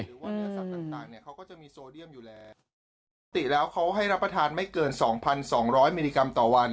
ปกติแล้วเขาให้รับประทานไม่เกิน๒๒๐๐มิลลิกรัมต่อวัน